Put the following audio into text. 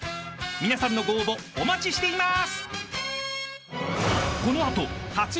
［皆さんのご応募お待ちしています！］